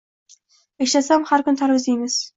Ishlasam, har kuni tarvuz eymiz